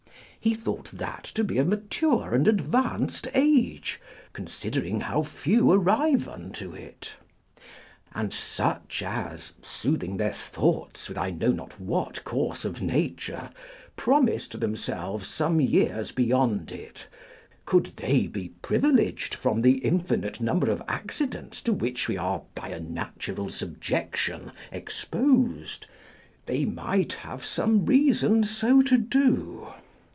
He thought that to be a mature and advanced age, considering how few arrive unto it. And such as, soothing their thoughts with I know not what course of nature, promise to themselves some years beyond it, could they be privileged from the infinite number of accidents to which we are by a natural subjection exposed, they might have some reason so to do.